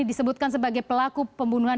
disebutkan sebagai pelaku pembunuhan